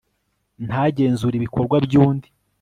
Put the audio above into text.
ntagenzure ibikorwa by'undi